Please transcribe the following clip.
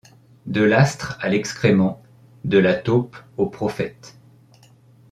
De l’astre à l’excrément, de la taupe au prophète